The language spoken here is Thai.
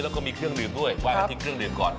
แล้วก็มีเครื่องลืมด้วยวางอาทิตย์เครื่องลืมก่อน